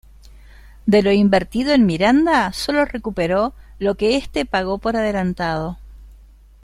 De lo invertido en Miranda, solo recuperó lo que este pagó por adelantado.